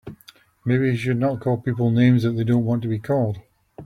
Maybe he should not call people names that they don't want to be called.